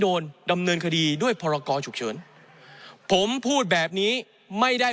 โดนดำเนินคดีด้วยพรกรฉุกเฉินผมพูดแบบนี้ไม่ได้